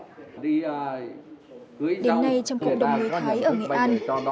đến nay trong cộng đồng người thái ở nghệ an